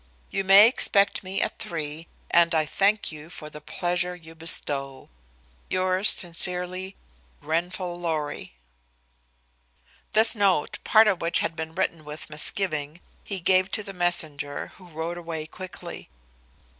You may expect me at three, and I thank you for the pleasure you bestow. "Yours sincerely, "GRENFALL LORRY." This note, part of which had been written with misgiving, he gave to the messenger, who rode away quickly.